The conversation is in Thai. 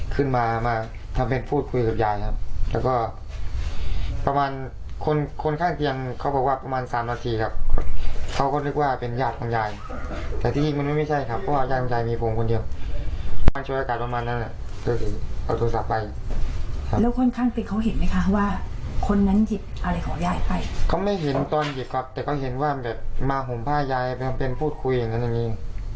ก็เห็นตอนหยิดครับแต่ก็เห็นว่ามาห่มผ้ายายเป็นพูดคุยอย่างนั้นอย่างนี้